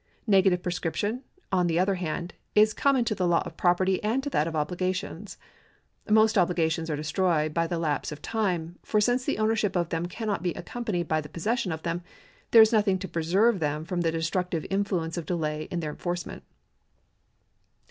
Negative prescription, on the other hand, is common to the law of property and to that of obligations. Most obligations are destroyed by the lapse of time, for since the ownership of them cannot be accom panied by the possession of them, there is nothing to preserve 412 THE LAW OF PROPERTY [§ 162 them from the destructive influence of delay in their en forcement.